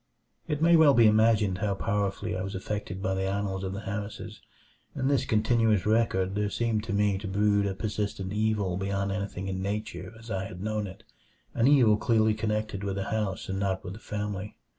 3 It may well be imagined how powerfully I was affected by the annals of the Harrises. In this continuous record there seemed to me to brood a persistent evil beyond anything in nature as I had known it; an evil clearly connected with the house and not with the family.